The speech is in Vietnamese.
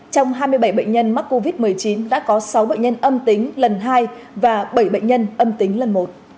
trong hai mươi bảy bệnh nhân mắc covid một mươi chín đã có sáu bệnh nhân âm tính lần hai và bảy bệnh nhân âm tính lần một